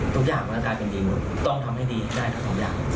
ทุกอย่างมันก็กลายเป็นดีหมดต้องทำให้ดีได้ทั้งสองอย่าง